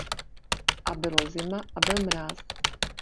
A bylo zima a byl mráz.